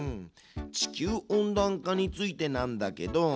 地球温暖化についてなんだけど。